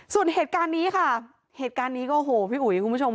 ส่วนเหตุการณ์นี้ค่ะเหตุการณ์นี้ก็โหพี่อุ๋ยคุณผู้ชม